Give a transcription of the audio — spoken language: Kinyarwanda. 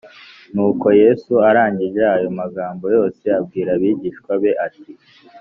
Nuko Yesu arangije ayo magambo yose abwira abigishwa be ati